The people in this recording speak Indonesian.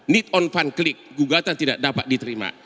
need on funclic gugatan tidak dapat diterima